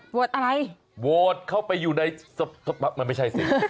โหวตอะไรโหวตเข้าไปอยู่ในสภาพมันไม่ใช่สิ